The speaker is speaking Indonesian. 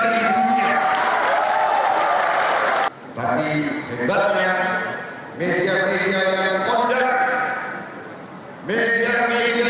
hai berapa hari lalu ada acara besar di mana hai hadir di tangan orang tapi banyak media di